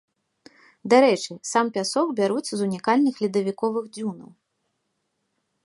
Дарэчы, сам пясок бяруць з унікальных ледавіковых дзюнаў.